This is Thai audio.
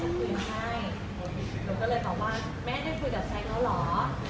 หรือแม่ว่าไม่ได้คุยกับแซ็คแล้วหรอ